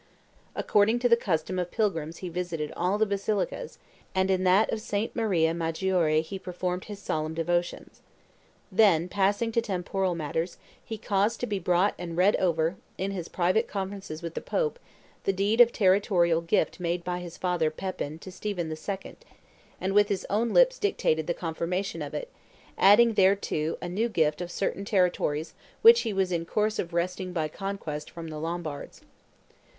According to the custom of pilgrims he visited all the basilicas, and in that of St. Maria Maggiore he performed his solemn devotions. Then, passing to temporal matters, he caused to be brought and read over, in his private conferences with the Pope, the deed of territorial gift made by his father Pepin to Stephen II., and with his own lips dictated the confirmation of it, adding thereto a new gift of certain territories which he was in course of wresting by conquest from the Lombards.